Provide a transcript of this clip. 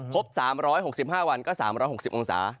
พบ๓๖๕วันก็๓๖๐องศา